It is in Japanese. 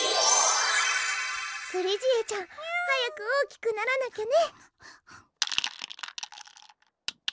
スリジエちゃん早く大きくならなきゃね。